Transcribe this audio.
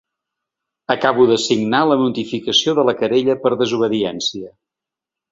Acabo de signar la notificació de la querella per desobediència.